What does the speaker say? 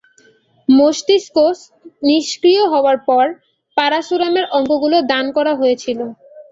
মস্তিষ্ক নিষ্ক্রিয় হওয়ার পর পারাসুরামের অঙ্গগুলো দান করা হয়েছিল।